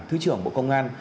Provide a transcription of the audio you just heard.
thứ trưởng bộ công an